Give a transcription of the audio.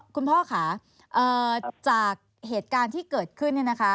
คุณพ่อค่ะจากเหตุการณ์ที่เกิดขึ้นเนี่ยนะคะ